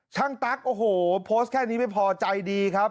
ตั๊กโอ้โหโพสต์แค่นี้ไม่พอใจดีครับ